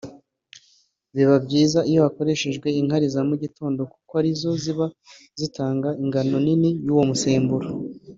biba byiza iyo hakoreshejwe inkari za mu gitondo kuko arizo ziba zitanga ingano nini y’uyu musemburo